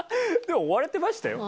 終われてましたよ。